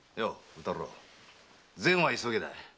宇太郎善は急げだ。